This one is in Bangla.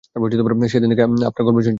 সেদিন থেকে আপনার গল্প শুনছি।